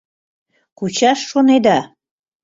— Кучаш шонеда?